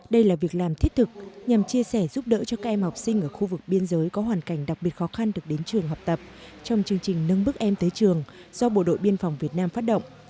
đây là việc làm thiết thực nhằm chia sẻ giúp đỡ cho các em học sinh ở khu vực biên giới có hoàn cảnh đặc biệt khó khăn được đến trường học tập trong chương trình nâng bước em tới trường do bộ đội biên phòng việt nam phát động